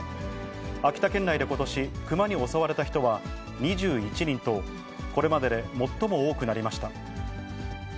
秋田県内でことし、熊に襲われた人は２１人と、これまでで最も多くなりました。